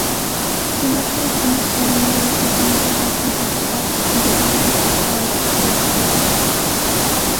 The National Tennis Centre was designed by Hopkins Architects, the designers of Portcullis House.